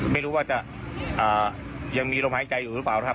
ไม่รู้ว่าจะยังมีลมหายใจอยู่หรือเปล่านะครับ